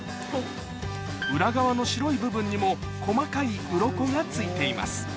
裏側の白い部分にも細かいウロコが付いています